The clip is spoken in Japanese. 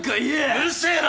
うるせえな！